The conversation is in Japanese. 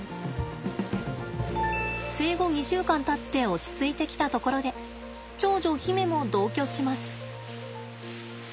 生後２週間たって落ち着いてきたところで長女媛も同居します。